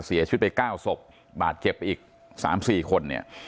เสียชีวิตไป๙ศพบาทเก็บอีก๓๔คน